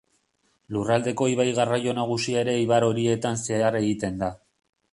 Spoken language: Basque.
Lurraldeko ibai-garraio nagusia ere ibar horietan zehar egiten da.